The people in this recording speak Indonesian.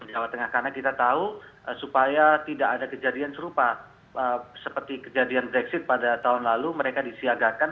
jawa tengah karena kita tahu supaya tidak ada kejadian serupa seperti kejadian brexit pada tahun lalu mereka disiagakan